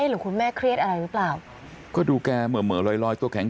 หรือคุณแม่เครียดอะไรหรือเปล่าก็ดูแกเหม่อเห่อลอยลอยตัวแข็ง